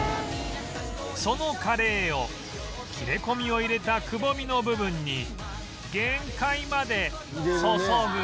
そのカレーを切れ込みを入れたくぼみの部分に限界まで注ぐ